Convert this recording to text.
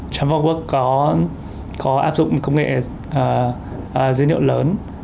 trans bốn work có áp dụng công nghệ dữ liệu lớn